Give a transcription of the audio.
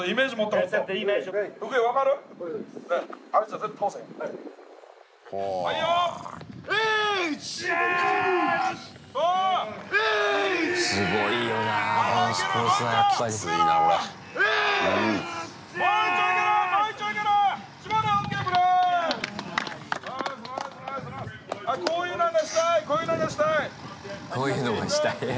こういうのがしたい。